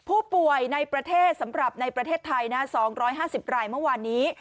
ผู้ป่วยในประเทศสำหรับในประเทศไทยนะ๒๕๐รายเมื่อวานนี้